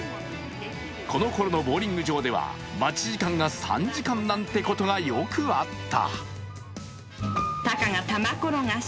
このころのボウリング場では待ち時間が３時間なんてこともよくあった。